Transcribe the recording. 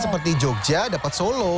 seperti jogja dapat solo